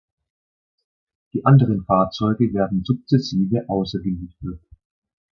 Die anderen Fahrzeuge werden sukzessive ausgeliefert.